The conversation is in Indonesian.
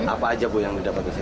apa aja yang dapat di sini